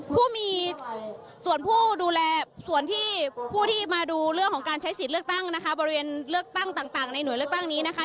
ผู้มีส่วนผู้ดูแลส่วนที่ผู้ที่มาดูเรื่องของการใช้สิทธิ์เลือกตั้งนะคะบริเวณเลือกตั้งต่างในหน่วยเลือกตั้งนี้นะคะ